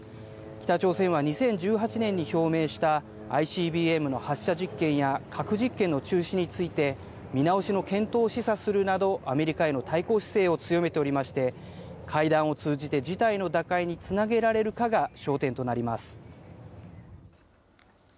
北朝鮮は２０１８年に表明したＩＣＢＭの発射実験や核実験の中止について、見直しの検討を示唆するなど、アメリカへの対抗姿勢を強めておりまして、会談を通じて事態の打開につなげられるかが焦点となります。